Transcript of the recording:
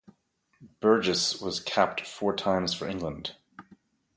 Burgess was capped four times for England.